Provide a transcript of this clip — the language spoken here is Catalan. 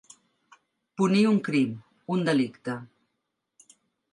Punir un crim, un delicte.